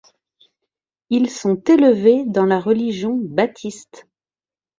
Ils sont élevés dans la religion baptiste.